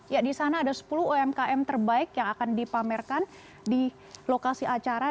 ya di sana ada sepuluh umkm terbaik yang akan dipamerkan di lokasi acara